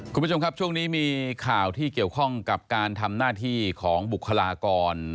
คุณผู้ชมครับช่วงนี้มีข่าวที่เกี่ยวข้องกับการทำหน้าที่ของบุคลากร